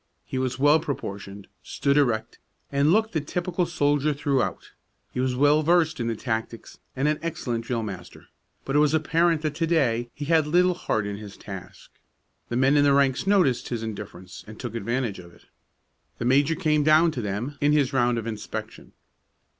He was well proportioned, stood erect, and looked the typical soldier throughout. He was well versed in the tactics and an excellent drill master, but it was apparent that to day he had little heart in his task. The men in the ranks noticed his indifference, and took advantage of it. The major came down to them in his round of inspection.